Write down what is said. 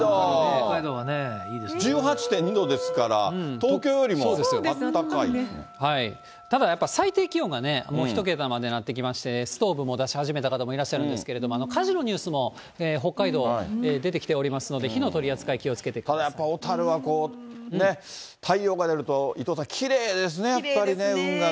北海道はね、１８．２度ですから、ただ、やっぱ最低気温がもう１桁までになってきまして、ストーブも出し始めた方もいらっしゃるんですけれども、火事のニュースも北海道、出てきておりますので、火の取り扱い、ただやっぱり小樽は、太陽が出ると、伊藤さん、きれいですね、やっぱりね、運河が。